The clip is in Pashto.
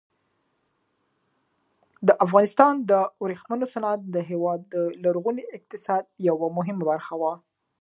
د افغانستان د ورېښمو صنعت د هېواد د لرغوني اقتصاد یوه مهمه برخه وه.